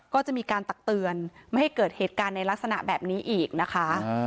ก็จะมีการตักเตือนไม่ให้เกิดเหตุการณ์ในลักษณะแบบนี้อีกนะคะ